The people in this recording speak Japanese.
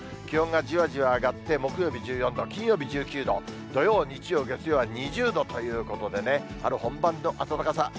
気温がじわじわ上がって、木曜日１４度、金曜日１９度、土曜、日曜、月曜は２０度ということでね、春本番の暖かさ。